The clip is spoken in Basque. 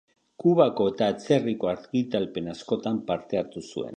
Kubako eta atzerriko argitalpen askotan parte hartu zuen.